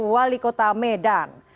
wali kota medan